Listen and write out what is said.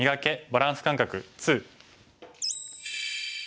バランス感覚２」。